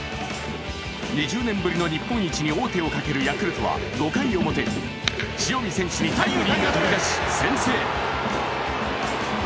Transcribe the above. ２０年ぶりの王手にかけるヤクルトは５回表、塩見選手にタイムリーが飛び出し先制。